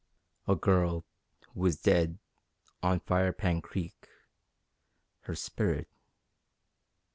"A girl ... who is dead ... on Firepan Creek. Her spirit...."